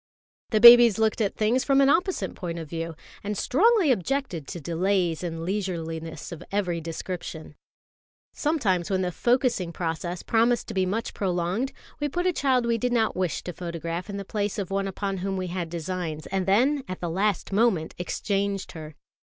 The babies looked at things from an opposite point of view, and strongly objected to delays and leisureliness of every description. Sometimes when the focussing process promised to be much prolonged, we put a child we did not wish to photograph in the place of one upon whom we had designs, and then at the last moment exchanged her.